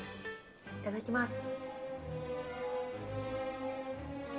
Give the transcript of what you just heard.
いただきます。